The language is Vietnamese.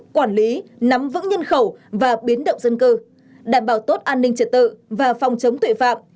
quản lý nắm vững nhân khẩu và biến động dân cư đảm bảo tốt an ninh trật tự và phòng chống tội phạm